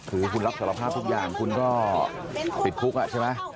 คือคุณรับสารภาพทุกอย่างคุณก็ติดคุกใช่ไหม